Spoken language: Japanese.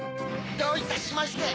どういたしまして。